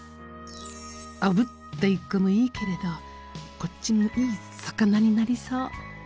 あぶったイカもいいけれどこっちもいい肴になりそう。